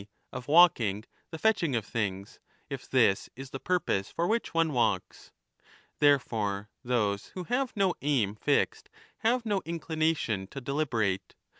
of walking, the fetching of things, if this is the purpose for which one walks. Therefore, those who have no aim fixed 30 have no inclination to deliberate.